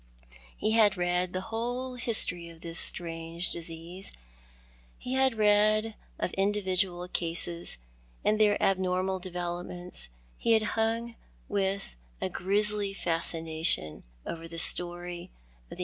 He had read the whole history of this strange disease. He had read of individual cases, and their abnormal developments He had hung with a grisly lascination over the story of th« In the Pine Wood.